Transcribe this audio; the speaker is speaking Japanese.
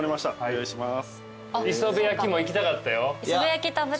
お願いします。